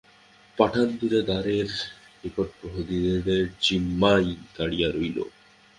পাঠান দূরে দ্বারের নিকট প্রহরীদের জিম্মায় দাঁড়াইয়া রহিল।